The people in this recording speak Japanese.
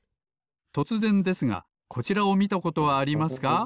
とつぜんですがこちらをみたことはありますか？